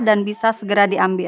dan bisa segera diambil